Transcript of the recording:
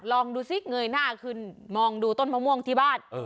ลองดูซิเงยหน้าขึ้นมองดูต้นมะม่วงที่บ้าน